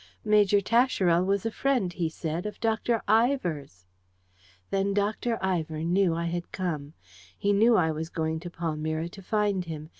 Major Tascherel was a friend, he said, of Dr. Ivor's! Then Dr. Ivor knew I had come. He knew I was going to Palmyra to find him.